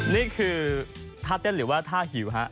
นี่คือท่าเต้นหรือว่าท่าหิวฮะ